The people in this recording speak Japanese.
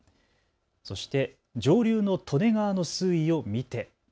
そして上流の利根川の水位を見て。